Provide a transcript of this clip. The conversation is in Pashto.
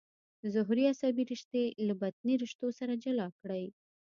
ظهري عصبي رشتې له بطني رشتو سره جلا کړئ.